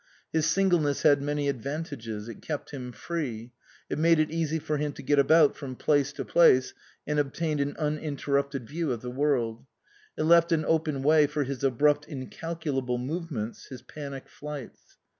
His singleness had many ad vantages ; it kept him free ; it made it easy for him to get about from place to place and obtain an uninterrupted view of the world ; it left an open way for his abrupt incalculable movements, his panic flights.